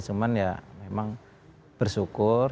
cuman ya memang bersyukur